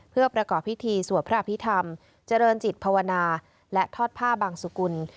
เพื่อประกอบพิธีสวดพระอภิษฐรรมเจริญจิตภาวนาและทอดผ้าบางสุกุล